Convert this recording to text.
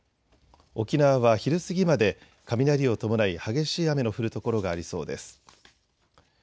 沖縄は昼過ぎまで雷を伴い激しい雨の降る所がありそうです。